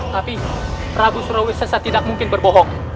tapi prabu surawis sesa tidak mungkin berbohong